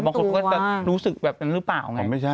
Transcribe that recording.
มันก็รู้สึกแบบนั้นหรือเปล่า